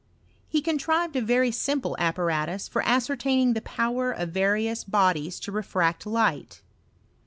He contrived a very simple apparatus for ascertaining the power of various bodies to refract light.